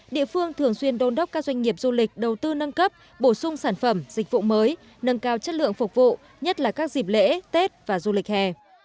địa phương thường xuyên đôn đốc các doanh nghiệp du lịch đầu tư nâng cấp bổ sung sản phẩm dịch vụ mới nâng cao chất lượng phục vụ nhất là các dịp lễ tết và du lịch hè